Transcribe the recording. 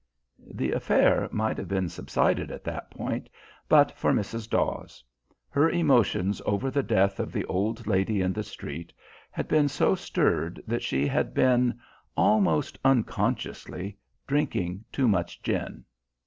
The affair might have been subsided at that point, but for Mrs. Dawes. Her emotions over the death of the old lady in the street had been so stirred that she had been, almost unconsciously, drinking too much gin.